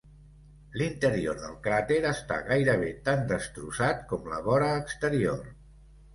L'interior del cràter està gairebé tan destrossat com la vora exterior.